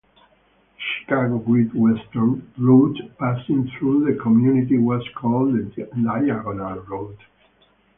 The Chicago Great Western route passing through the community was called the Diagonal Route.